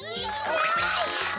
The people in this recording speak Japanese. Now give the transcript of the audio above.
わい！